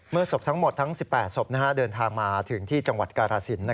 ศพทั้งหมดทั้ง๑๘ศพเดินทางมาถึงที่จังหวัดกาลสิน